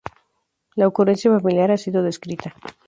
La ocurrencia familiar ha sido descrita.